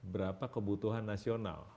berapa kebutuhan nasional